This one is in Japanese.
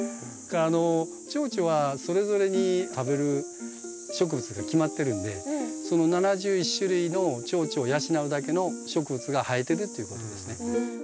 あのチョウチョはそれぞれに食べる植物が決まってるんでその７１種類のチョウチョを養うだけの植物が生えてるっていうことですね。